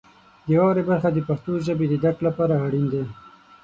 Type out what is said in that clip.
د واورئ برخه د پښتو ژبې د درک لپاره اړین دی.